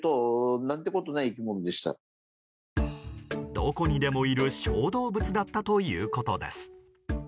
どこにでもいる小動物だったということです。